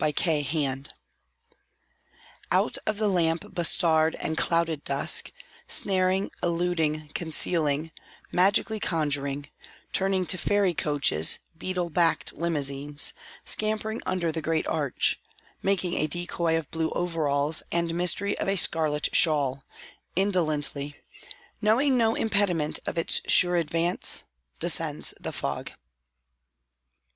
THE FOG Out of the lamp bestarred and clouded dusk Snaring, illuding, concealing, Magically conjuring Turning to fairy coaches Beetle backed limousines Scampering under the great Arch Making a decoy of blue overalls And mystery of a scarlet shawl Indolently Knowing no impediment of its sure advance Descends the fog.